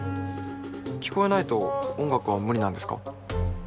聞こえないと音楽は無理なんですか？